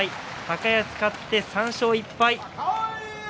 高安、勝って３勝１敗です。